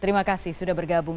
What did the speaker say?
terima kasih sudah bergabung